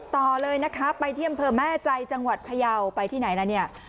ต่อเลยนะคะไปที่อำเภอแม่ใจจังหวัดพยาวไปที่ไหนแล้วเนี่ย